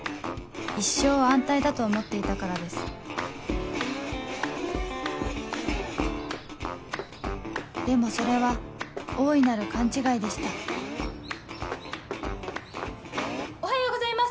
一生安泰だと思っていたからですでもそれは大いなる勘違いでしたおはようございます！